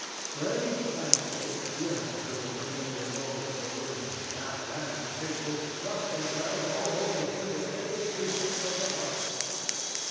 Strange landscapes glimmer through the familiar walls of the room, and outlandish figures thrust themselves almost within the sacred precincts of the hearth.